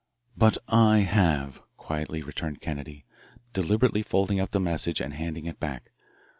"But I have," quietly returned Kennedy, deliberately folding up the message and handing it back.